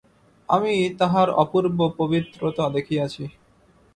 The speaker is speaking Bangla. আমি তাঁহার অপূর্ব পবিত্রতা দেখিয়াছি।